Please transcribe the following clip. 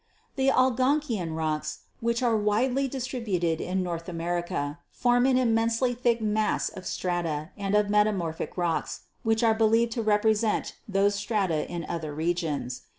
"The Algonkian rocks, which are widely distributed in North America, form an immensely thick mass of strata and of metamorphic rocks which are believed to represent those strata in other regions.